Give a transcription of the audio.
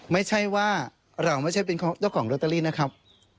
ไม่ใช่ว่าเราไม่ใช่เป็นเจ้าของโรตเตอรี่นะครับ